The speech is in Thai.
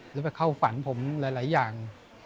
แล้วไปเข้าฝันผมหลายอย่าง